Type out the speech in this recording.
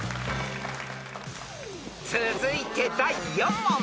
［続いて第４問］